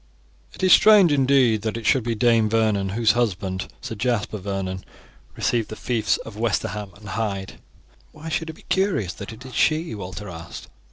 It is strange, indeed, that it should be Dame Vernon, whose husband, Sir Jasper Vernon, received the fiefs of Westerham and Hyde." "Why should it be curious that it is she?" Walter asked.